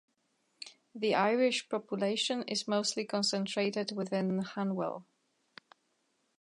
The Irish population is mostly concentrated within Hanwell.